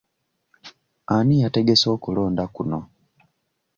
Ani yategese okulonda kuno?